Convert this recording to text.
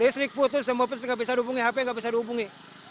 listrik putus semua pun nggak bisa dihubungi hp nggak bisa dihubungi